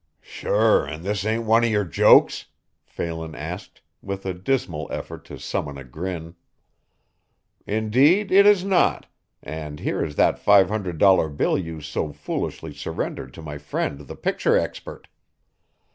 "Sure, an' this ain't one o' your jokes?" Phelan asked, with a dismal effort to summon a grin. "Indeed, it is not, and here is that five hundred dollar bill you so foolishly surrendered to my friend the picture expert.